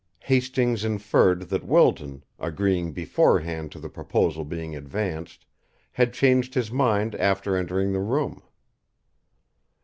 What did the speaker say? Hastings inferred that Wilton, agreeing beforehand to the proposal being advanced, had changed his mind after entering the room.